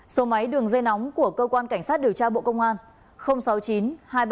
số máy đường dây nóng của cơ quan cảnh sát điều tra bộ công an sáu mươi chín hai trăm ba mươi bốn năm nghìn tám trăm sáu mươi